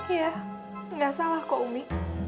iya nggak salah kok umi